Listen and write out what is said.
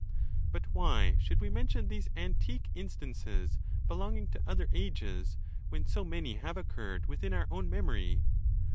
But why should we mention these antique in stances, belonging to other ages, when so many have occurred within our own memory?